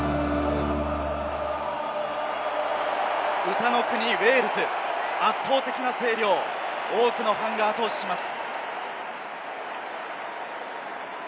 歌の国・ウェールズ、圧倒的な声量、多くのファンが後押しします。